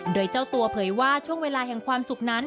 โดยเจ้าตัวเผยว่าช่วงเวลาแห่งความสุขนั้น